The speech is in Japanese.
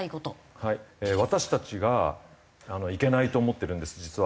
私たちがいけないと思ってるんです実は。